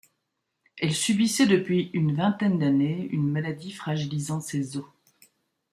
Elle subissait depuis une vingtaine d'années une maladie fragilisant ses os.